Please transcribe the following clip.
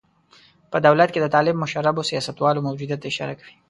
په دولت کې د طالب مشربو سیاستوالو موجودیت ته اشاره کوي.